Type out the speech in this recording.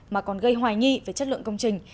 mà còn gây hoài nghi về chất lượng công trình